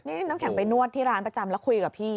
นี่น้ำแข็งไปนวดที่ร้านประจำแล้วคุยกับพี่